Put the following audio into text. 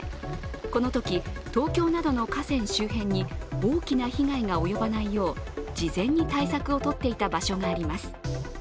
このとき、東京などの河川周辺に大きな被害が及ばないよう、事前に対策をとっていた場所があります。